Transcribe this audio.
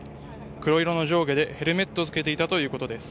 黒色の上下でヘルメットを着けていたということです。